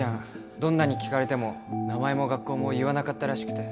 どんなに聞かれても名前も学校も言わなかったらしくて。